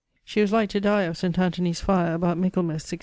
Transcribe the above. She was like to dye of St. Anthonie's fire about Michaelmas 1675.